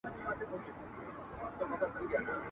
د سترګو تور مي در لېږم جانانه هېر مي نه کې !.